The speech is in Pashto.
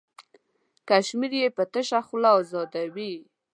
کشمیر یې په تشه خوله ازادوي.